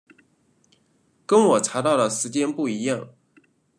跟我查到的时间不一样